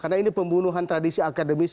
karena ini pembunuhan tradisi akademis